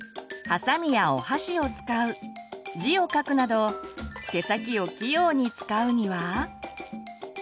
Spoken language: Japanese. はさみやお箸を使う字を書くなど手先を器用に使うには？